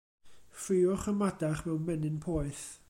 Ffriwch y madarch mewn menyn poeth.